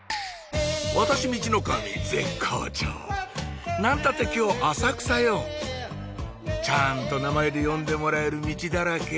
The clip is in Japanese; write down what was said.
私ミチノカミ絶好調何たって今日浅草よちゃんと名前で呼んでもらえるミチだらけ